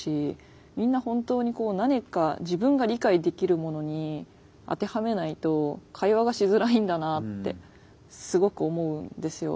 みんな本当に何か自分が理解できるものに当てはめないと会話がしづらいんだなってすごく思うんですよ。